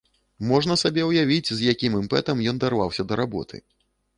Можна сабе ўявіць, з якім імпэтам ён дарваўся да работы!